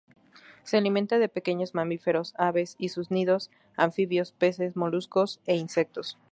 Se alimenta de pequeños mamíferos, aves y sus nidos, anfibios, peces moluscos, e insectos.